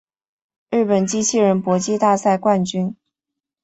日本机器人搏击大赛冠军